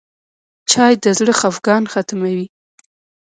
چای د زړه خفګان ختموي.